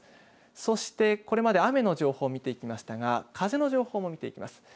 そして、これまで雨の情報見ていきましたが、風の情報も見ていきます。